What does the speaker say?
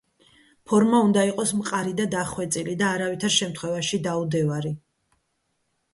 ფორმა უნდა იყოს მყარი და დახვეწილი და არავითარ შემთხვევაში დაუდევარი.